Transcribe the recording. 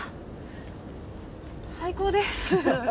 最高です。